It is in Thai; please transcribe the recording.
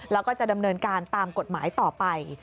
แล้วก็จะดำเนินการตามกฎหมายต่อไป